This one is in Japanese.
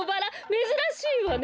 めずらしいわね。